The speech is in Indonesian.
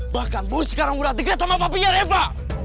bahkan boi sekarang udah deket sama papinya reva